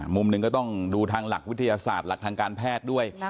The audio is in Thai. มุมหนึ่งก็ต้องดูทางหลักวิทยาศาสตร์หลักทางการแพทย์ด้วย